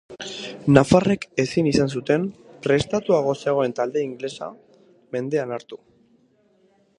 Nafarrek ezin izan zuten, prestatuago zegoen talde ingelesa, mendean hartu.